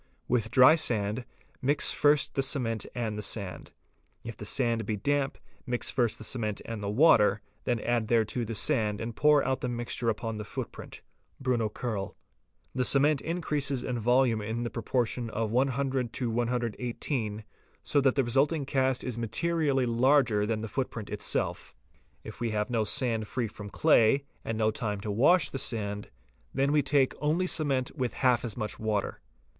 With dry sand, mix first the cement and the sand: if the sand be damp, mix first the cement and the water, then add thereto the sand and pour out the mixture upon the footprint (Bruno Kerl). The cement increases in volume in the proportion of 100 to 118, so that the resulting cast is materially larger than the footprint itself. If we have no sand free from clay, and no time to wash the sand, then we take only cement with half as much water.